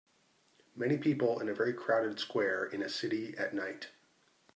Many people in a very crowded square in a city at night.